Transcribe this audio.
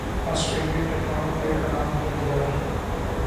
Australian tectonic plate کا نام دیا گیا ہی